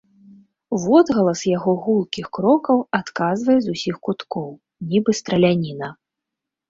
Водгалас яго гулкіх крокаў адказвае з усіх куткоў, нібы страляніна.